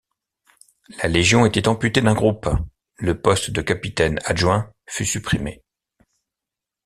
La Légion était amputée d’un groupe, le poste de capitaine adjoint fut supprimé.